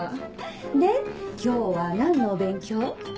で今日は何のお勉強？